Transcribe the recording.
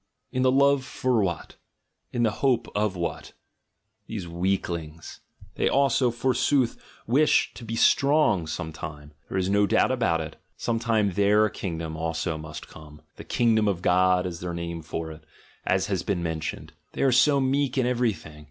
In the love for what? In the hope of what? These weaklings! — they also, forsooth, wish to be strong some time; there is no doubt about it. some time their kingdom also must come — "the kingdom of God" is their name for it, as has been mentioned: — they are so meek in everything!